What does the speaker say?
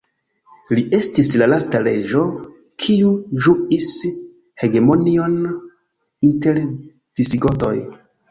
Li estis la lasta reĝo kiu ĝuis hegemonion inter visigotoj.